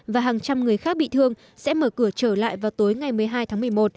và hàng trăm người khác bị thương sẽ mở cửa trở lại vào tối ngày một mươi hai tháng một mươi một